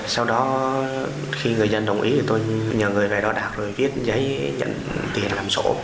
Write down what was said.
sau đó khi người dân đồng ý thì tôi nhờ người về đo đạc rồi viết giấy nhận tiền làm sổ